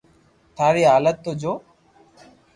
ٿاري ھالت تو جو